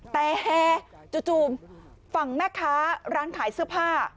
แต่แฮจู่ฝั่งแม่ค้าร้านขายเสื้อผ้า